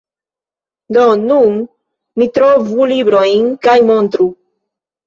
Do, nun mi trovu librojn kaj montru.